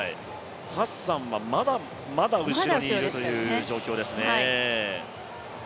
ハッサンはまだまだ後ろにいるという状況ですね。